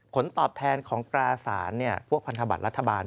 ผลตอบแทนของตราสารพวกพันธบัตรรัฐบาล